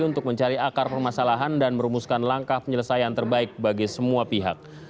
untuk mencari akar permasalahan dan merumuskan langkah penyelesaian terbaik bagi semua pihak